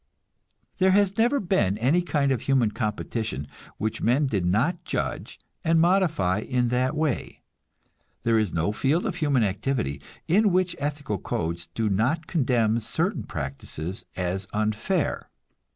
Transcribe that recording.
There has never been any kind of human competition which men did not judge and modify in that way; there is no field of human activity in which ethical codes do not condemn certain practices as unfair.